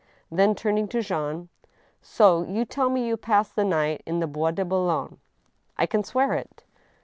Then, turning to Jean — "So you tell me you passed the night in the Bois de Bou logne ?"" I can swear it."